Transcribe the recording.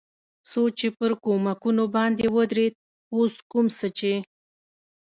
څو چې پر کومکونو باندې ودرېد، اوس کوم څه چې.